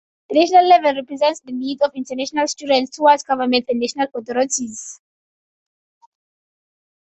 The national level represents the needs of international students towards governments and national authorities.